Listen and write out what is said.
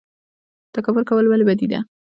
تکبر کول ولې بد دي؟